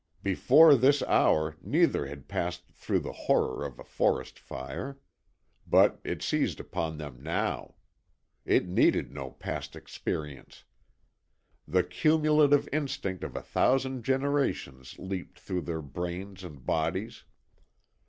Before this hour neither had passed through the horror of a forest fire. But it seized upon them now. It needed no past experience. The cumulative instinct of a thousand generations leapt through their brains and bodies.